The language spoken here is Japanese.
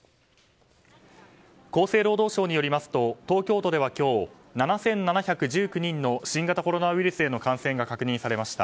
厚生労働省によりますと東京都では今日７７１９人の新型コロナウイルスへの感染が確認されました。